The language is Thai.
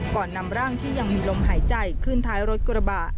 ก่อนนำร่างที่ยังมีลมหายใจขึ้นท้ายรถกระบะ